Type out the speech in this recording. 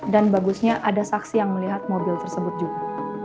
dan bagusnya ada saksi yang melihat mobil tersebut juga